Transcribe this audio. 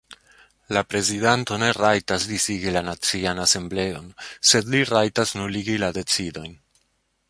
La prezidanto ne rajtas disigi la Nacian Asembleon, sed li rajtas nuligi la decidojn.